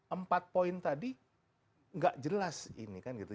empat poin tadi nggak jelas ini kan gitu